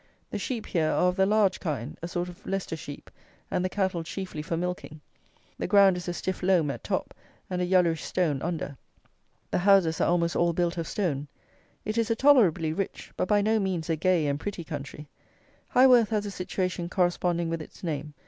The sheep here are of the large kind; a sort of Leicester sheep, and the cattle chiefly for milking. The ground is a stiff loam at top, and a yellowish stone under. The houses are almost all built of stone. It is a tolerably rich, but by no means a gay and pretty country. Highworth has a situation corresponding with its name.